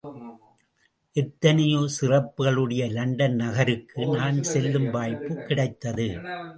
எத்தனையோ சிறப்புக்களுடைய இலண்டன் நகருக்கு, நான் செல்லும் வாய்ப்புக் கிடைத்தது.